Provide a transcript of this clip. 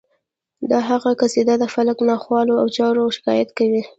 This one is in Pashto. د هغه قصیده د فلک له ناخوالو او چارو شکایت کوي